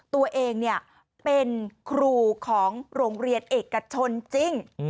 ตัวเองเป็นครูของโรงเรียนเอกชนจริง